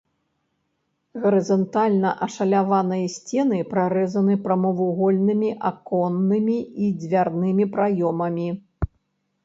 Гарызантальна ашаляваныя сцены прарэзаны прамавугольнымі аконнымі і дзвярнымі праёмамі.